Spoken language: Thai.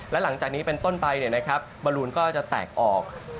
และหลังจากนี้เป็นต้นไปบอลูนก็จะแตกออก